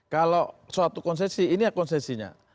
kalau suatu konsesi ini ya konsesinya